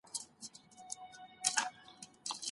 پوښتنه وکړئ ترڅو حقیقت ته ورسېږئ.